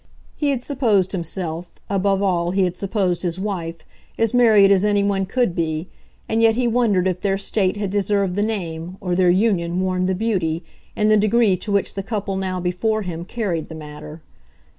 He had supposed himself, above all he had supposed his wife, as married as anyone could be, and yet he wondered if their state had deserved the name, or their union worn the beauty, in the degree to which the couple now before him carried the matter.